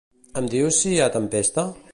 Em dius si hi ha tempesta?